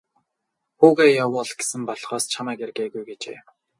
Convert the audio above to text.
Хүүгээ явуул гэсэн болохоос чамайг ир гээгүй гэжээ.